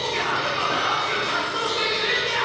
またあつく活動してくれるか！